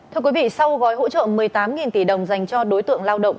thưa quý vị sau gói hỗ trợ một mươi tám tỷ đồng dành cho đối tượng lao động